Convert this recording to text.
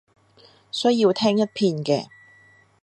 需要聽一遍嘅